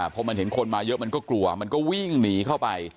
พอมันเห็นคนมาเยอะมันก็กลัวมันก็วิ่งหนีเข้าไป